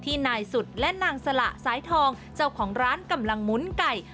นายสุดและนางสละสายทองเจ้าของร้านกำลังหมุนไก่